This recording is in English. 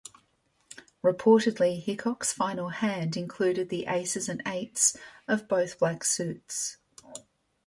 Reportedly, Hickok's final hand included the aces and eights of both black suits.